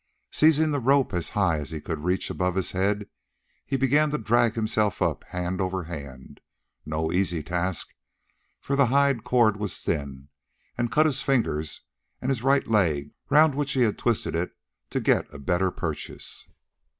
Seizing the rope as high as he could reach above his head, he began to drag himself up hand over hand—no easy task, for the hide cord was thin, and cut his fingers and his right leg, round which he had twisted it to get a better purchase.